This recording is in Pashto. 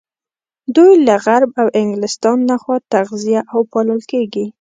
دوی له غرب او انګلستان لخوا تغذيه او پالل کېږي.